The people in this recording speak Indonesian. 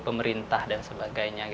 pemerintah dan sebagainya